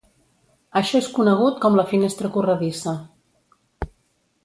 Això és conegut com la finestra corredissa.